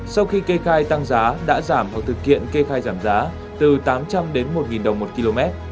sau khi kê khai tăng giá đã giảm hoặc thực hiện kê khai giảm giá từ tám trăm linh đến một đồng một km